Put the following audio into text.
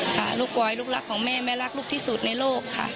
ค่ะลูกบอยลูกรักของแม่แม่รักลูกที่สุดในโลกค่ะ